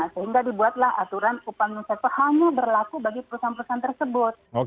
sehingga dibuatlah aturan upah mini sektor hanya berlaku bagi perusahaan perusahaan tersebut